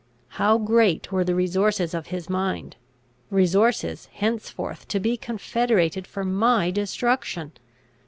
How great were the resources of his mind, resources henceforth to be confederated for my destruction!